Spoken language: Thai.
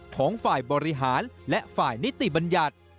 ของฝ่ายบริหารและฝ่ายนิติบัญญัติ